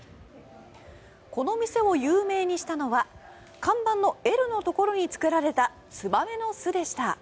この店を有名にしたのは看板の「Ｌ」のところに作られたツバメの巣でした。